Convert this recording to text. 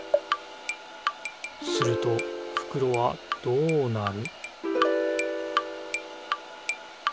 するとふくろはどうなる？